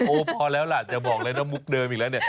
โอ้พอแล้วล่ะอย่าบอกอะไรต้องมุกเดิมอีกแล้ว